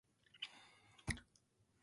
He lived in Rotterdam.